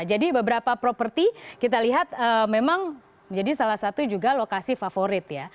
jadi beberapa properti kita lihat memang menjadi salah satu juga lokasi favorit ya